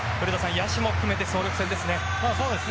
野手も含めて総力戦ですね。